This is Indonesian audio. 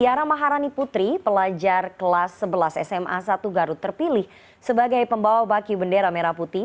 tiara maharani putri pelajar kelas sebelas sma satu garut terpilih sebagai pembawa baki bendera merah putih